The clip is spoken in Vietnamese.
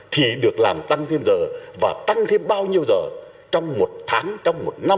thì được làm tăng thêm giờ và tăng thêm bao nhiêu giờ trong một tháng trong một năm